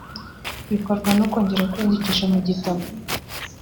bikorwa no kongera kwiyandikisha mu gitabo